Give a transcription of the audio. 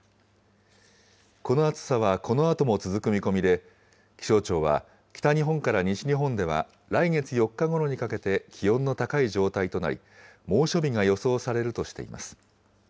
この暑さはこのあとも続く見込みで、気象庁は、北日本から西日本では来月４日ごろにかけて気温の高い状態となり、猛暑日が予想されるとしています。